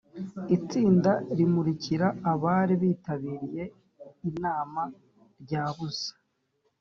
itsinda rimurikira abari bitabiriye inama ryabuze.